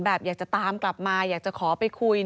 อยากจะตามกลับมาอยากจะขอไปคุย